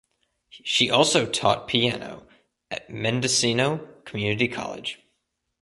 She also taught piano at Mendocino Community College.